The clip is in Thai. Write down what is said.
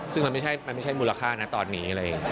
ซึ่งมันไม่ใช่มูลค่านะตอนนี้อะไรอย่างนี้